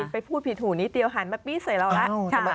ไปพูดผิดหูนิดเดียวหันมาปี้เสร็จแล้วแล้ว